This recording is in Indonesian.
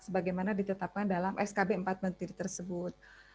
sebagaimana ditetapkan dalam skb empat menteri tersebut